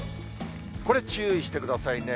これ、注意してくださいね。